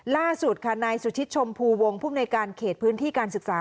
ล่าสุดค่ะนายสุชิตชมภูวงภูมิในการเขตพื้นที่การศึกษา